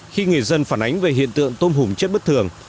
khi người dân phản ánh về hiện tượng tôm hùm chết bất thường